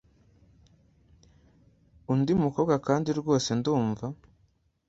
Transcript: undi mukobwa kandi rwose ndumva